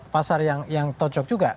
pasar yang cocok juga